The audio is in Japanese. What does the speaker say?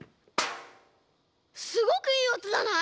すごくいいおとじゃない？